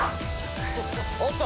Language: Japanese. おっと！